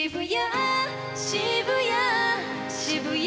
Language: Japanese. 「渋谷